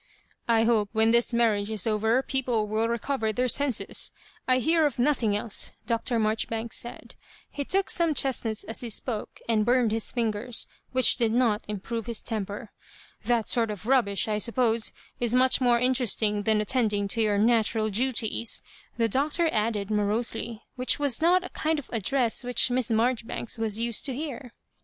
" I hope when this marriage is over people will recover their senses. I hear of nothing else," Dr. Marjoribanks said. He took some chestnuts as he spoke, and burned his fingers^ Digitized by VjOOQIC MISS MAIUOBIBAKKS. 119 ^1 . which did not improye his temper. " That sort of rubbish, I suppose, is much more interesting ^ than attendii^ to your natural duties,'' the Hi Doctor added, morosely, which was not a kind ^ of address which Miss Maijoribanks was used to ^' hear.